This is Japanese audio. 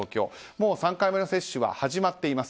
もう３回目の接種は始まっています。